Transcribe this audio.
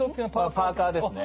パーカーですね。